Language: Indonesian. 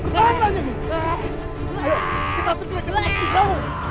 kau tidak tahu padahal istriku sudah mati